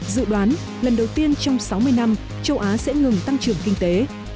dự đoán lần đầu tiên trong sáu mươi năm châu á sẽ ngừng tăng trưởng kinh tế